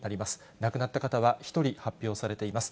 亡くなった方は１人発表されています。